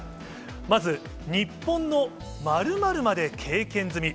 まず、日本の○○まで経験済み。